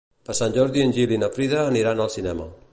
Per Sant Jordi en Gil i na Frida aniran al cinema.